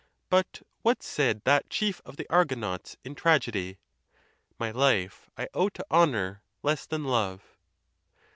But what said that chief of the Argonauts in tragedy ? My life I owe to honor less than love.